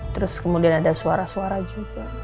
terus kemudian ada suara suara juga